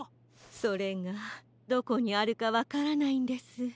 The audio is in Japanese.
それがどこにあるかわからないんです。